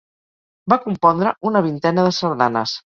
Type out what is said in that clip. Va compondre una vintena de sardanes.